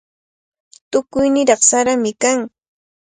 Tukuy niraq sarami kan.